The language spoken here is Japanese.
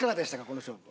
この勝負。